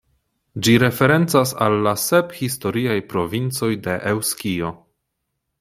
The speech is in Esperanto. Ĝi referencas al la sep historiaj provincoj de Eŭskio.